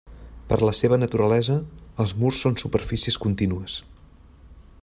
Per la seva naturalesa, els murs són superfícies contínues.